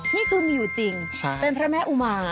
นี่คือมีอยู่จริงเป็นพระแม่อุมา